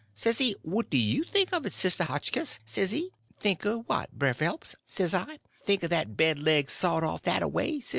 S'e, what do you think of it, Sister Hotchkiss, s'e? Think o' what, Brer Phelps, s'I? Think o' that bed leg sawed off that a way, s'e?